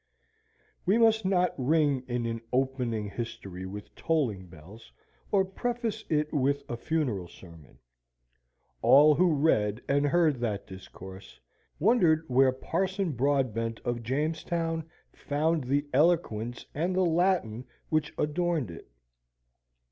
We must not ring in an opening history with tolling bells, or preface it with a funeral sermon. All who read and heard that discourse, wondered where Parson Broadbent of Jamestown found the eloquence and the Latin which adorned it.